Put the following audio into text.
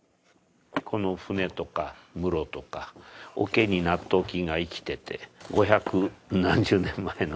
この舟とか室とか桶に納豆菌が生きてて五百何十年前の。